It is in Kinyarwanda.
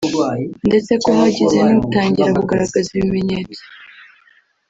ndetse ko hagize n’utangira kugaragaza ibimenyetso